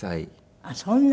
あっそんな。